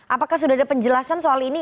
apakah sudah ada penjelasan soal ini